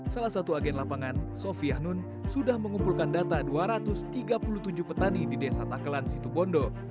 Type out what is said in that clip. salah satu agen lapangan sofianun sudah mengumpulkan data dua ratus tiga puluh tujuh petani di desa takelan situ bondo